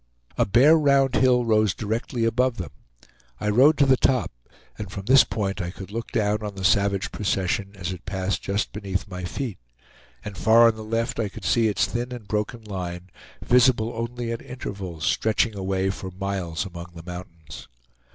A bare round hill rose directly above them. I rode to the top, and from this point I could look down on the savage procession as it passed just beneath my feet, and far on the left I could see its thin and broken line, visible only at intervals, stretching away for miles among the mountains.